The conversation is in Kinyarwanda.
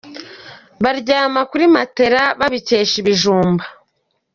Baryama kuri Matera babikesha ibijumba